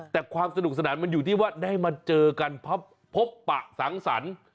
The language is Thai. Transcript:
แต่ความสนุกสนานมันอยู่ที่ว่าได้มาเจอกันพบปะสังสรรค์